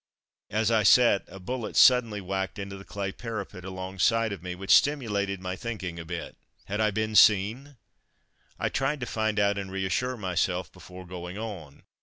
As I sat, a bullet suddenly whacked into the clay parapet alongside of me, which stimulated my thinking a bit. "Had I been seen?" I tried to find out, and reassure myself before going on.